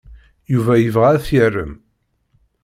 Yuba yebɣa ad t-yarem.